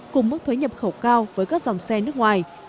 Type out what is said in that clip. cùng mức thuế nhập khẩu cao với các dòng xe nước ngoài